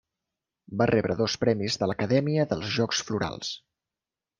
Va rebre dos premis de l'Acadèmia dels Jocs Florals.